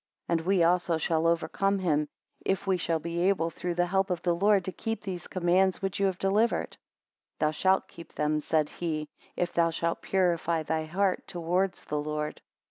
35 And we also shall overcome him, if we shall be able, through the help of the Lord, to keep these commands which you have delivered. 36 Thou shalt keep them, said he, if thou shalt purify thy heart towards the Lord.